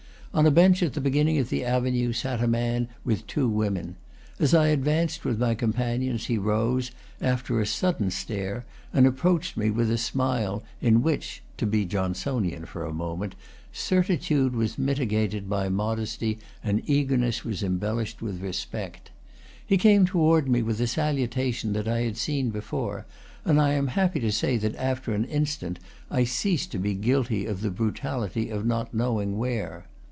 On a bench at the beginning of the avenue, sat a man with two women. As I advanced with my companions he rose, after a sudden stare, and approached me with a smile, in which (to be Johnsonian for a moment) certitude was mitigated by modesty and eagerness was embellished with respect. He came toward me with a salutation that I had seen before, and I am happy to say that after an instant I ceased to be guilty of the brutality of not knowing where.